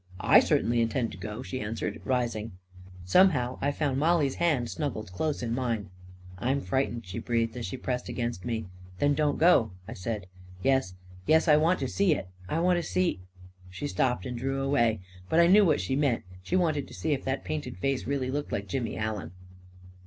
" I certainly intend to go," she answered, rising. Somehow I found Mollie's hand snuggled close in mine. A KING IN BABYLON 301 44 I'm frightened !" she breathed, as she pressed against me. 44 Then don't go," I said. 44 Yes, yes; I want to see it — I want to see ..." She stopped and drew away. But I knew what she meant; she wanted to see if that painted face really looked like Jimmy Allen.